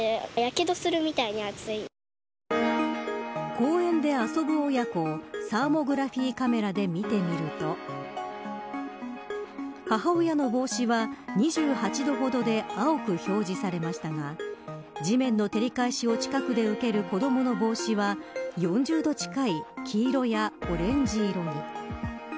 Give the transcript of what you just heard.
公園で遊ぶ親子をサーモグラフィーカメラで見てみると母親の帽子は２８度ほどで青く表示されましたが地面の照り返しを近くで受ける子どもの帽子は４０度近い黄色やオレンジ色に。